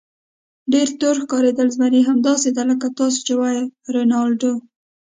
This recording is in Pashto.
ډېر تور ښکارېدل، زمري: همداسې ده لکه تاسې چې وایئ رینالډو.